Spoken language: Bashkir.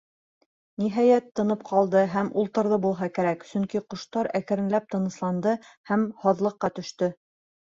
Ниһайәт, тынып ҡалды һәм ултырҙы булһа кәрәк, сөнки ҡоштар әкренләп тынысланды һәм һаҙлыҡҡа төштө.